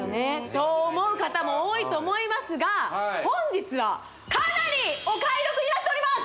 そう思う方も多いと思いますが本日はかなりお買い得になっております